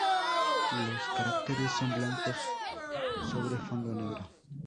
Los caracteres son blancos sobre fondo negro.